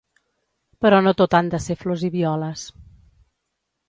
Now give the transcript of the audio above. Però no tot han de ser flors i violes.